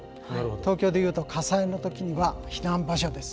東京でいうと火災の時には避難場所です。